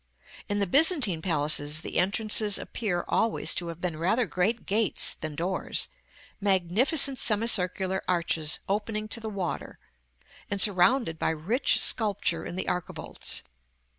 In the Byzantine palaces the entrances appear always to have been rather great gates than doors, magnificent semicircular arches opening to the water, and surrounded by rich sculpture in the archivolts.